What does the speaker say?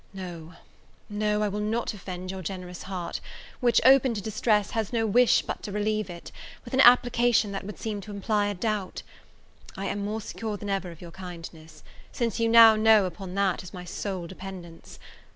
No, no; I will not offend your generous heart, which, open to distress, has no wish but to relieve it, with an application that would seem to imply a doubt. I am more secure than ever of your kindness, since you now know upon that is my sole dependence.